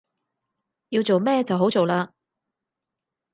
要做咩就好做喇